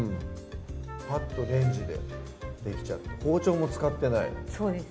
ぱっとレンジでできちゃって包丁も使ってないそうです